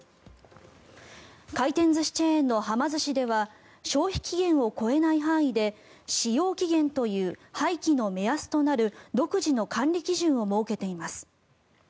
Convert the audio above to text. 回転寿司チェーンのはま寿司では消費期限を超えない範囲で使用期限という廃棄の目安となる独自の管理基準を設けています。